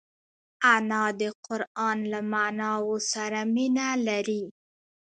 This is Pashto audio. انا د قران له معناوو سره مینه لري